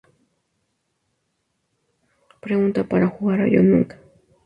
Pregunta para jugar a yo nunca